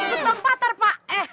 ikut bang patar pak eh